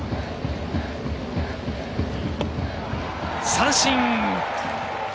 三振！